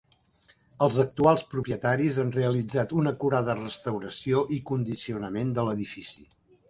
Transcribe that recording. Els actuals propietaris han realitzat una acurada restauració i condicionament de l'edifici.